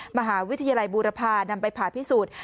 มหาวิทยาลัยบูรพานำไปผ่าพิสูจน์